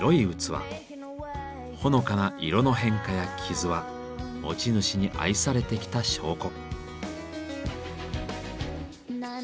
ほのかな色の変化や傷は持ち主に愛されてきた証拠。